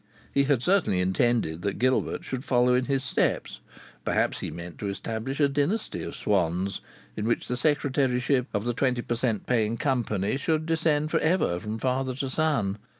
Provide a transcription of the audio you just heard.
He had certainly intended that Gilbert should follow in his steps; perhaps he meant to establish a dynasty of Swanns, in which the secretaryship of the twenty per cent. paying company should descend for ever from father to son.